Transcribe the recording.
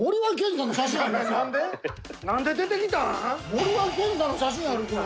森脇健児さんの写真あるこれ。